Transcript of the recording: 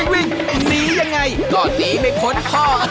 วิ่งหนียังไงก็หนีไม่พ้นข้อ